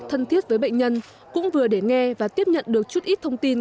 thân thiết với bệnh nhân cũng vừa để nghe và tiếp nhận được chút ít thông tin